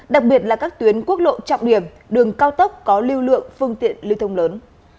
đặc biệt là các tuyến quốc lộ trọng điểm đường cao tốc có lưu lượng phương tiện lưu thông lớn